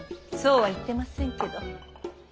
そうは言ってませんけど。